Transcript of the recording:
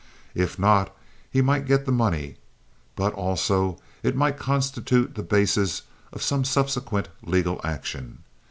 If not, he might get the money; but, also, it might constitute the basis of some subsequent legal action.